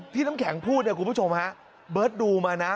ที่น้ำแข็งพูดคุณผู้ชมฮะเบิร์ตดูมานะ